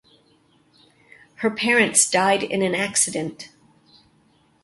Her parents died in an accident.